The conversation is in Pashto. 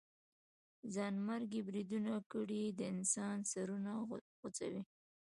ځانمرګي بريدونه کړئ د انسانانو سرونه غوڅوئ.